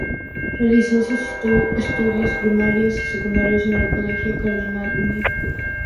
Realizó sus estudios primarios y secundarios en el Colegio Cardenal Newman.